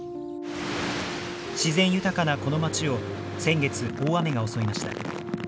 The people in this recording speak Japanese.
自然豊かなこの町を先月、大雨が襲いました。